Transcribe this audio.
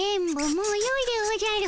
もうよいでおじゃる。